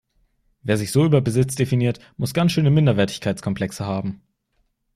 Wer sich so über Besitz definiert, muss ganz schöne Minderwertigkeitskomplexe haben.